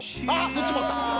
そっちもあった！